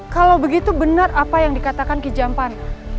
kalau begitu benar apa yang dikatakan kijampan